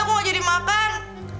aku gak jadi makan